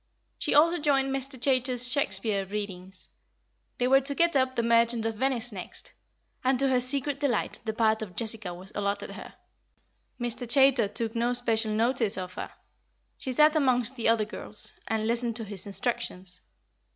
She also joined Mr. Chaytor's Shakespeare readings; they were to get up The Merchant of Venice next, and to her secret delight the part of Jessica was allotted her. Mr. Chaytor took no special notice of her; she sat amongst the other girls, and listened to his instructions.